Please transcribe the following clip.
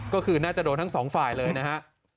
ก็คือน่าจะโดนทั้งสองฝ่ายเลยนะฮะ